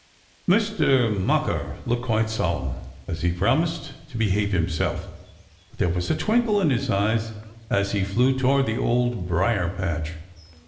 Mistah Mocker looked quite solemn as he promised to behave himself, but there was a twinkle in his eyes as he flew toward the Old Briar patch.